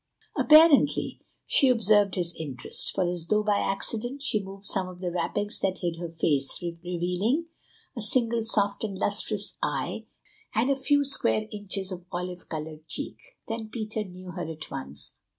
Apparently she observed his interest, for as though by accident she moved some of the wrappings that hid her face, revealing a single soft and lustrous eye and a few square inches of olive coloured cheek. Then Peter knew her at once.